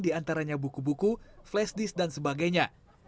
diantaranya buku buku flashdisk dan sebagainya